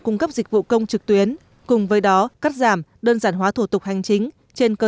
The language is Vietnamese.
cung cấp dịch vụ công trực tuyến cùng với đó cắt giảm đơn giản hóa thủ tục hành chính trên cơ